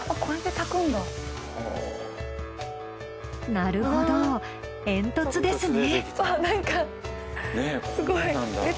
なるほど煙突ですね。